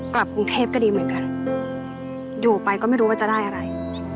กลับกรุงเทพก็ดีเหมือนกันอยู่ไปก็ไม่รู้ว่าจะได้อะไร